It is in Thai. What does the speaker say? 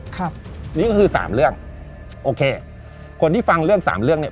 ครับนี่ก็คือสามเรื่องโอเคคนที่ฟังเรื่องสามเรื่องเนี้ย